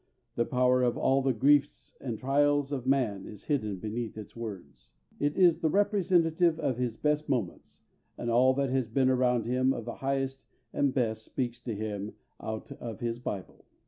The power of all the griefs and trials of man is hidden beneath its words. It is the representative of his best moments, and all that has been around him of the highest and best speaks to him out of his Bible.